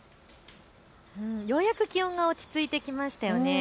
ようやく気温が落ち着いてきましたよね。